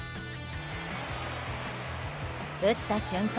打った瞬間